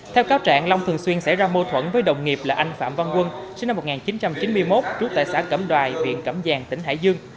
theo cáo trạng long thường xuyên xảy ra mâu thuẫn với đồng nghiệp là anh phạm văn quân sinh năm một nghìn chín trăm chín mươi một trú tại xã cẩm đoài huyện cẩm giang tỉnh hải dương